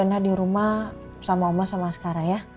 jadi rena dirumah sama oma sama skara ya